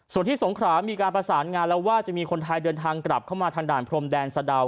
ส่วนที่สงขรามีการประสานงานแล้วว่าจะมีคนไทยเดินทางกลับเข้ามาทางด่านพรมแดนสะดาว